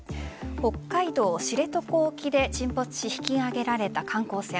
北海道知床沖で沈没し引き揚げられた観光船。